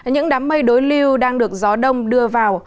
những đám mây đối lưu đang được gió đông đưa vào